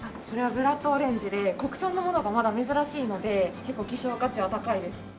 これはブラッドオレンジで国産のものがまだ珍しいので結構希少価値は高いです。